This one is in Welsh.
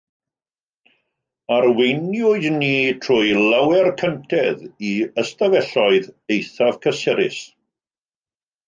Arweiniwyd ni trwy lawer cyntedd i ystafelloedd eithaf cysurus.